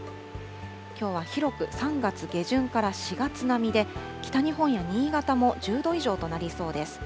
きょうは広く３月下旬から４月並みで、北日本や新潟も１０度以上となりそうです。